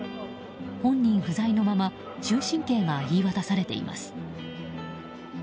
本人不在のまま終身刑が言い渡されています。